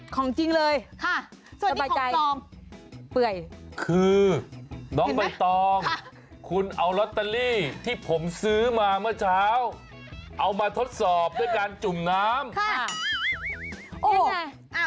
ของจริงเลยค่ะส่วนใหม่ใจปื่๋ยคือน้องบรรตองคุณเอาร็อเตอรี่ที่ผมซื้อมาเมื่อเช้าเอามาทดสอบเพื่อการจุ่นน้ำ